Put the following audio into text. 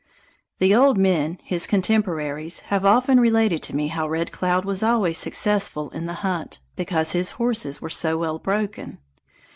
The old men, his contemporaries, have often related to me how Red Cloud was always successful in the hunt because his horses were so well broken.